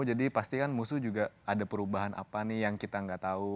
jadi pasti kan musuh juga ada perubahan apa nih yang kita gak tau